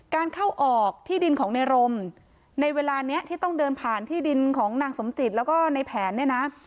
การเข้าออกที่ดินของในรมในเวลานี้ที่ต้องเดินผ่านที่ดินของนางสมจิตแล้วก็ในแผนเนี่ยนะ